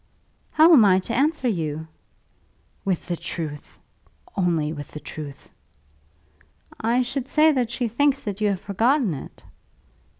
"How am I to answer you?" "With the truth. Only with the truth." "I should say that she thinks that you have forgotten it."